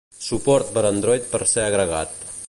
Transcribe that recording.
Suport per Android va ser agregat.